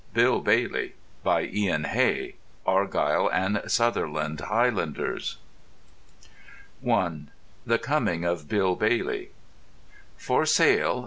"Bill Bailey" By Ian Hay Argyll and Sutherland Highlanders I THE COMING OF "BILL BAILEY" _FOR SALE.